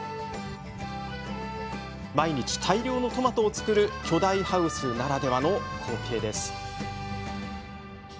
毎日、大量のトマトを作る巨大ハウスならではの光景です。